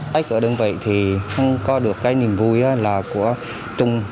tất cả đơn vị thì không có được cái niềm vui là của trung